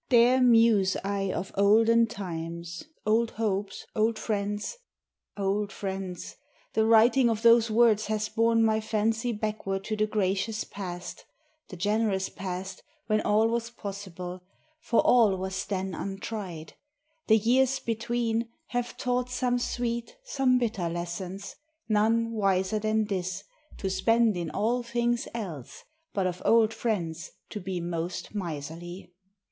There muse I of old times, old hopes, old friends, Old friends ! The writing of those words has borne My fancy backward to the gracious past, The generous past, when all was possible, For all was then untried ; the years between UNDER THE WILLOWS. 17 Have taught some sweet, some bitter lessons, none Wiser than this, to spend in all things else, But of old friends to be most miserly.